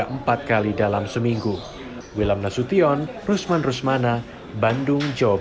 empat kali dalam seminggu